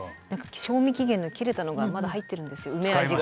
賞味期限の切れたのがまだ入ってるんですよ梅味が。